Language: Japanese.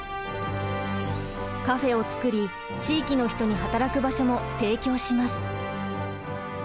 カフェを作り地域の人に働く場所も提供します。